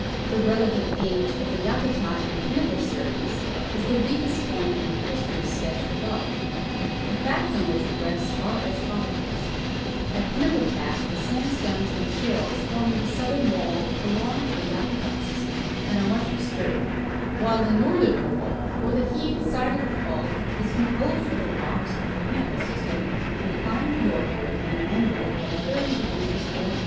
The relative age of the Yakutat and Pinnacle series is the weakest point in the history sketched above. The facts on which it rests are as follows : At Pinnacle pass the sandstones and shales forming the southern wall belong to the Yakutat system and are much disturbed, while the northern wall, or the heaved side of the fault, is composed of the rocks of the Pinnacle sys tem, inclined northward at an angle of 30° or 40°.